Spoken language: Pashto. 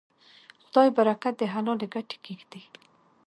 خدای برکت د حلالې ګټې کې ږدي.